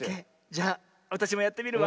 じゃあわたしもやってみるわ。